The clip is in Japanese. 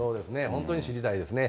本当に知りたいですね。